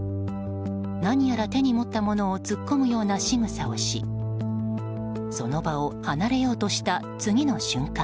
何やら手に持ったものを突っ込むようなしぐさをしその場を離れようとした次の瞬間。